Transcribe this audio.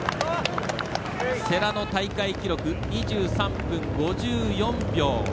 世羅の大会記録２３分５４秒。